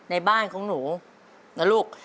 ในบ้านของหนูนะลูก